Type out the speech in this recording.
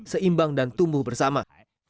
seimbang dan tumbuh bersama